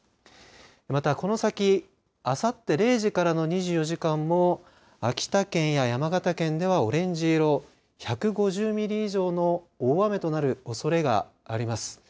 また、この先あさって０時からの２４時間も秋田県や山形県ではオレンジ色１５０ミリ以上の大雨となるおそれがあります。